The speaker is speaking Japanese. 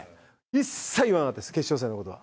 一切言わなかったです、決勝戦のことは。